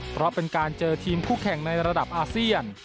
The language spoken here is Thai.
เพราะเป็นการเจอทีมคู่แข่งในระดับอาเซียน